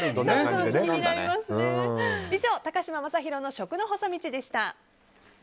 以上、高嶋政宏の食の細道でした。